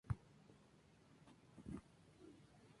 El rey le dio permiso y ofreció toda clase de facilidades.